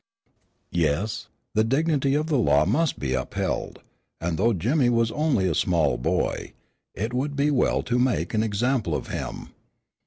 Yes, the dignity of the law must be upheld, and though Jimmy was only a small boy, it would be well to make an example of him.